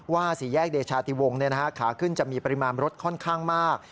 สี่แยกเดชาติวงขาขึ้นจะมีปริมาณรถค่อนข้างมาก